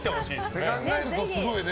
そう考えると、すごいよね。